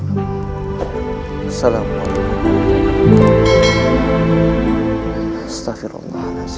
assalamu'alaikum warahmatullahi wabarakatuh